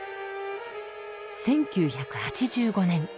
１９８５年。